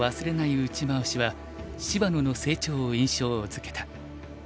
打ち回しは芝野の成長を印象づけた。